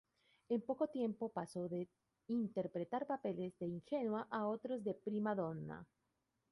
En poco tiempo pasó de interpretar papeles de "ingenua" a otros de "prima donna".